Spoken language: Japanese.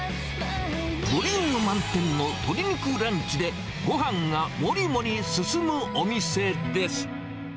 ボリューム満点の鶏肉ランチでご飯がモリモリ進むお店です。